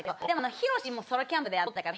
ヒロシもソロキャンプで取ってたから。